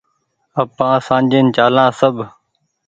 آپآن سآجين چآليا سب